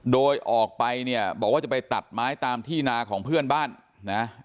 โดยออกไปเนี่ยบอกว่าจะไปตัดไม้ตามที่นาของเพื่อนบ้านนะ